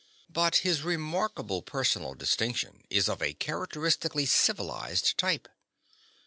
But his remarkable personal distinction is of a characteristically civilized type.